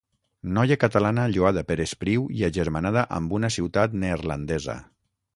Noia catalana lloada per Espriu i agermanada amb una ciutat neerlandesa.